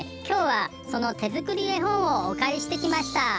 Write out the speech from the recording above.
今日はその手作り絵本をお借りしてきました。